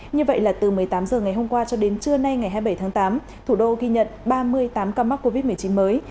như vậy là từ một mươi tám h ngày hôm qua cho đến trưa nay ngày hai mươi bảy tháng tám thủ đô ghi nhận ba mươi tám ca mắc covid một mươi chín mới